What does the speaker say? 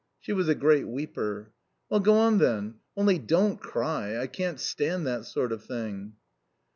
She was a great weeper. "Well, go on, then. Only, DON'T cry; I can't stand that sort of thing."